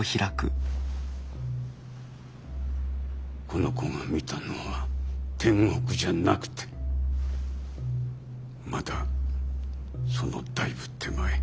この子が見たのは天国じゃなくてまだそのだいぶ手前。